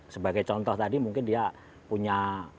sebagai contoh tadi mungkin dia punya